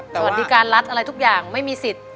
สวัสดีการรัฐอะไรทุกอย่างไม่มีสิทธิ์